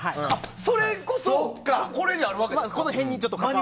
それこそ次の技にかかるわけですか。